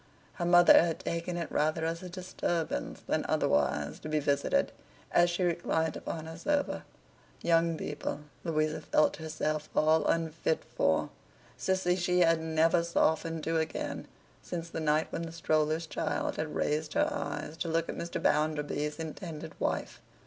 Her mother had taken it rather as a disturbance than otherwise, to be visited, as she reclined upon her sofa; young people, Louisa felt herself all unfit for; Sissy she had never softened to again, since the night when the stroller's child had raised her eyes to look at Mr. Bounderby's intended wife.